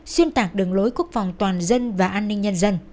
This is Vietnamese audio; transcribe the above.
xuyên tạc đường lối quốc phòng toàn dân và an ninh nhân dân